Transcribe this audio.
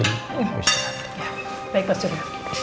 baik pak surya